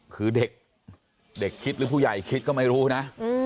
คือเด็กเด็กคิดหรือผู้ใหญ่คิดก็ไม่รู้นะ